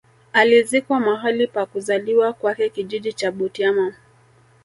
Alizikwa mahali pa kuzaliwa kwake kijiji cha Butiama